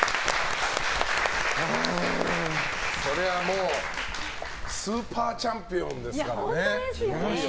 そりゃあスーパーチャンピオンですからね。